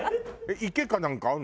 池かなんかあるの？